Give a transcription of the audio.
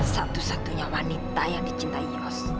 satu satunya wanita yang dicintai yos